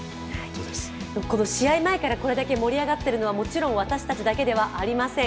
この試合前からこれだけ盛り上がっているのは、私たちだけではありません。